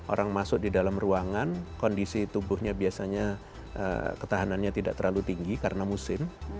orang masuk di dalam ruangan kondisi tubuhnya biasanya ketahanannya tidak terlalu tinggi karena musim